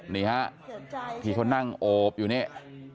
นี่ฮะทีผู้นั้นโอบอยู่เนี้ย